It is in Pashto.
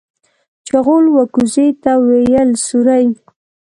چغول و کوزې ته ويل سورۍ.